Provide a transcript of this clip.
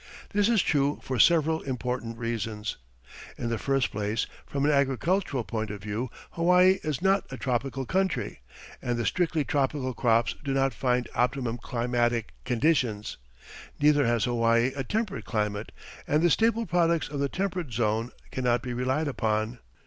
This is true for several important reasons. In the first place, from an agricultural point of view Hawaii is not a tropical country, and the strictly tropical crops do not find optimum climatic conditions. Neither has Hawaii a temperate climate, and the staple products of the temperate zone cannot be relied upon.